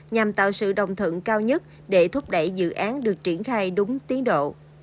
nhằm tạo sự đồng thận cao nhất để thúc đẩy dự án được triển khai đúng tiến độ